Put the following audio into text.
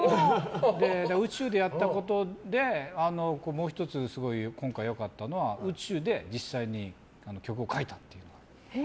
宇宙でやったことでもう１つ今回良かったのは宇宙で実際に曲を書いたっていう。